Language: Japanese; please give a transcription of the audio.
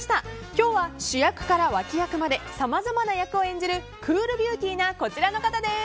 今日は主役から脇役までさまざまな役を演じるクールビューティーなこちらの方です。